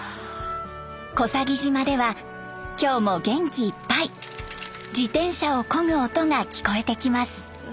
小佐木島では今日も元気いっぱい自転車をこぐ音が聞こえてきます。